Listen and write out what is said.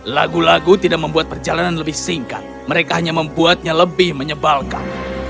lagu lagu tidak membuat perjalanan lebih singkat mereka hanya membuatnya lebih menyebalkan